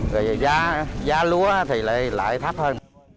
rồi giá lúa thì lại thấp hơn